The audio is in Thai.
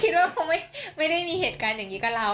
ครั้งแรกเลยคิดว่าไม่ได้มีเหตุการณ์อย่างนี้กับเรา